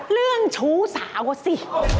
เรื่องชูสาวสิ